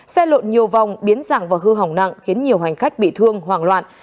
xe lộn nhiều vòng biến dạng và hư hỏng nặng khiến nhiều hành khách bị thương hoảng loạn